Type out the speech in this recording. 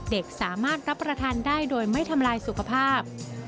เด็กสามารถรับประทานได้โดยไม่ทำลายสุขภาพ